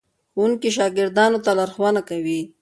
ښوونکي شاګردانو ته لارښوونه کوي.